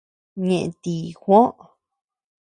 ¿Ñeʼe ti Juó?